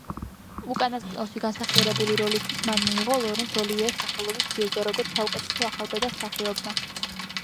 უკანასკნელში განსახიერებული როლისთვის მან მიიღო ლორენს ოლივიეს სახელობის ჯილდო, როგორც საუკეთესო ახალბედა მსახიობმა.